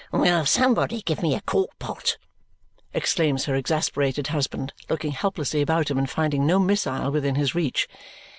"Will somebody give me a quart pot?" exclaims her exasperated husband, looking helplessly about him and finding no missile within his reach.